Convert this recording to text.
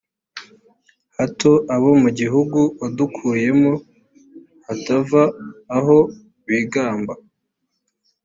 hato abo mu gihugu wadukuyemo batava aho bigamba